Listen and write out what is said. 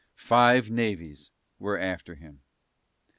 Five navies were after him.